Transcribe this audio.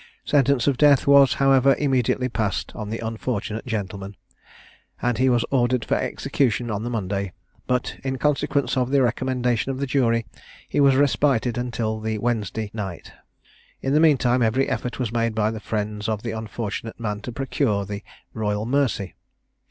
Sentence of death was, however, immediately passed on the unfortunate gentleman, and he was ordered for execution on the Monday; but, in consequence of the recommendation of the jury, was respited till the Wednesday se'nnight. In the mean time, every effort was made by the friends of the unfortunate man to procure the royal mercy.